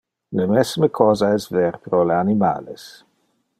Le mesme cosa es ver pro le animales.